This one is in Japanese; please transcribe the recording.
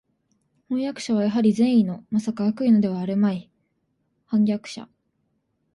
飜訳者はやはり善意の（まさか悪意のではあるまい）叛逆者